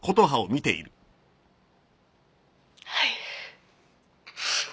はい。